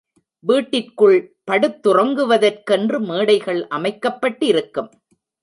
வீட்டிற்குள் படுத்துறங்குவதற்கென்று மேடைகள் அமைக்கப்பட்டிருக்கும்.